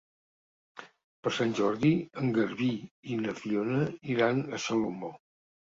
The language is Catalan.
Per Sant Jordi en Garbí i na Fiona iran a Salomó.